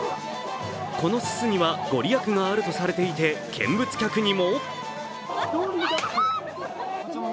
このすすには御利益があるとされていて、見物客にも。